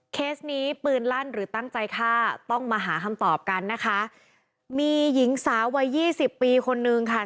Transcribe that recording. เคสนี้ปืนลั่นหรือตั้งใจฆ่าต้องมาหาคำตอบกันนะคะมีหญิงสาววัยยี่สิบปีคนนึงค่ะ